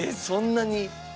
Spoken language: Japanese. そんなに？